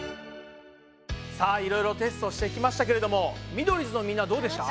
さあいろいろテストしてきましたけれどもミドリーズのみんなはどうでした？